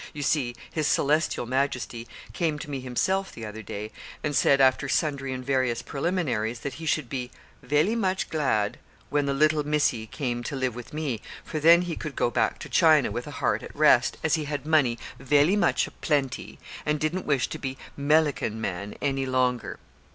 "You see, his Celestial Majesty came to me himself the other day, and said, after sundry and various preliminaries, that he should be 'velly much glad' when the 'Little Missee' came to live with me, for then he could go back to China with a heart at rest, as he had money 'velly much plenty' and didn't wish to be 'Melican man' any longer."